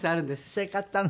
それ買ったの？